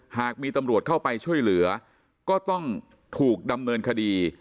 หากมีตำรวจเข้าไปช่วยเหลือก็ต้องถูกดำเนินคดี